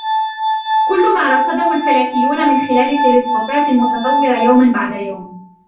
كل ما رصده الفلكيون من خلال التلسكوبات المتطورة يوما بعد يوم